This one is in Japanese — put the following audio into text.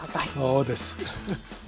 そうです。